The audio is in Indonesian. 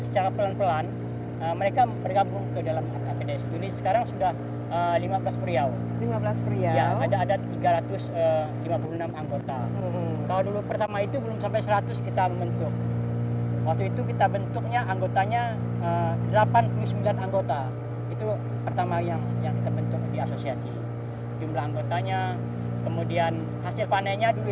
jadi susah untuk manen